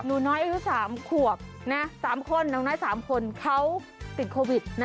หนูน้อยทุกสามขวบนะสามคนน้องน้อยสามคนเขาติดโควิดนะ